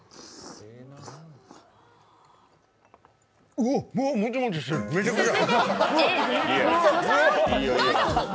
うわ、もちもちしてる、めちゃくちゃ。